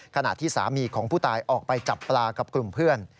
ขณะที่สามีของผู้ตายออกไปจับปลากับกลุ่มเพื่อน